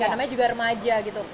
namanya juga remaja gitu